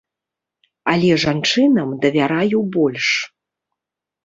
Але жанчынам давяраю больш.